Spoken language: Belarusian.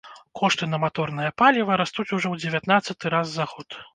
Кошты на маторнае паліва растуць ужо ў дзевятнаццаты раз за год.